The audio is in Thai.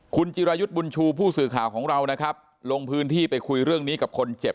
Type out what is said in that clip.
คุณจิรายุทธ์บุญชูผู้สื่อข่าวของเรานะครับลงพื้นที่ไปคุยเรื่องนี้กับคนเจ็บ